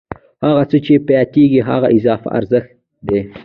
هغه څه چې پاتېږي هغه اضافي ارزښت دی